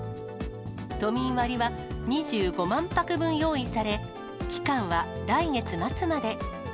都民割は２５万泊分用意され、期間は来月末まで。